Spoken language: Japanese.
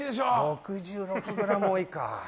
６６ｇ多いか。